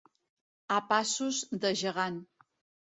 A passos de gegant.